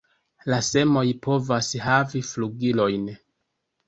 La semoj povas havi flugilojn.